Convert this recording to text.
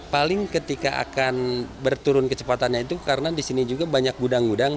paling ketika akan berturun kecepatannya itu karena di sini juga banyak gudang gudang